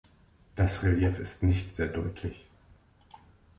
Das Relief ist nicht sehr deutlich.